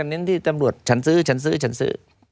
เน้นที่ตำรวจฉันซื้อฉันซื้อฉันซื้อ